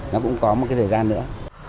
nó cũng có một cái thời gian nữa